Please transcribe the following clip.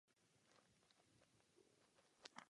Návěstidlo pro tramvaje ukazuje stále signál „volno“.